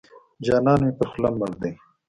جانان مې پر خوله مړ دی.